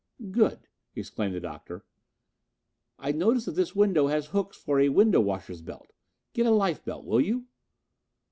"Good," exclaimed the Doctor. "I notice that this window has hooks for a window washer's belt. Get a life belt, will you?"